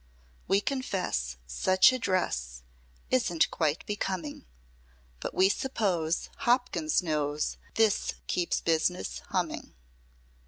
We confess Such a dress Isn't quite becoming, But we suppose Hopkins knows This keeps business humming."